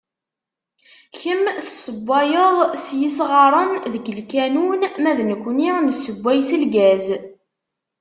Kemm tessewwayeḍ s yisɣaren deg lkanun ma d nekni nessewway s lgaz.